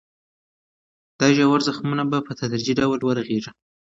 دا ژور زخمونه به په تدریجي ډول ورغېږي.